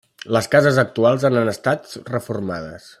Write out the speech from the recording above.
Les cases actuals han estat reformades.